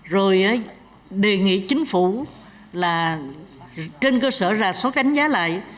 rồi đề nghị chính phủ là trên cơ sở ra suất đánh giá lại